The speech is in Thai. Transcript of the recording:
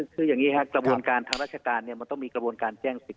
คืออย่างนี้ครับกระบวนการทางราชการมันต้องมีกระบวนการแจ้งสิทธ